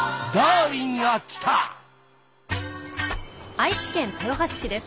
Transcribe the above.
愛知県豊橋市です。